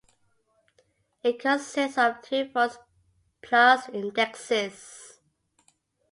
It consists of two volumes plus indexes.